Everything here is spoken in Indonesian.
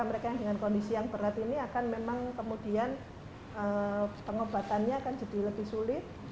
mereka yang dengan kondisi yang berat ini akan memang kemudian pengobatannya akan jadi lebih sulit